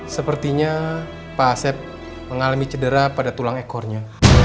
sepertinya pak asep mengalami cedera pada tulang ekornya